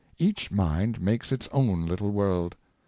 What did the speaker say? Each mind makes its own little world.